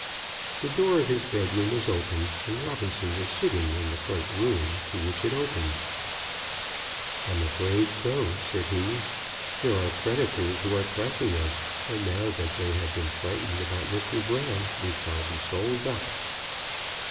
The door of his bedroom was open, and Robinson was sitting in the front room, to which it opened. "I'm afraid so," said he. "There are creditors who are pressing us; and now that they have been frightened about Mr. Brown, we shall be sold up."